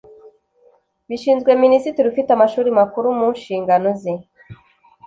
Bishinzwe Minisitiri ufite Amashuri Makuru mu nshingano ze